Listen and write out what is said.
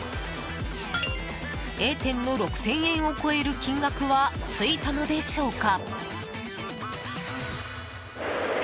Ａ店の６０００円を超える金額はついたのでしょうか。